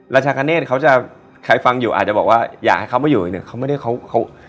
ราชาคเนธเขาจะใครฟังอยู่อาจจะบอกว่าอยากให้เขามาอยู่อีกหนึ่งเขาไม่ได้เขาเขา